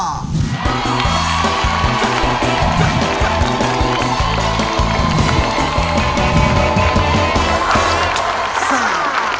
กลับ